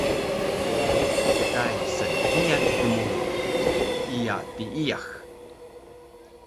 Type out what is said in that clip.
Pdai snhiyan dmurun, iya tiiyax